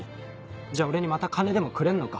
じゃ俺にまた金でもくれんのか？